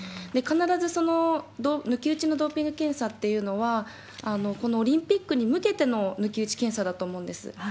必ずその抜き打ちのドーピング検査っていうのは、このオリンピックに向けての抜き打ち検査だと思うんです。